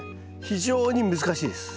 非常に難しいです。